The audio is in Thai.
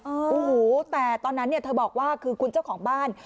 โอ้โหแต่ตอนนั้นเนี่ยเธอบอกว่าคือคุณเจ้าของบ้าน